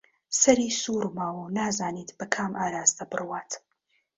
سەری سووڕماوە و نازانێت بە کام ئاراستە بڕوات